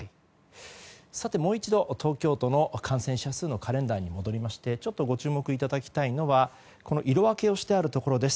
もう一度、東京都の感染者数のカレンダーに戻りましてちょっとご注目いただきたいのが色分けしてあるところです。